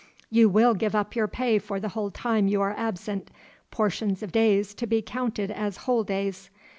You will give up your pay for the whole time you are absent, portions of days to be caounted as whole days.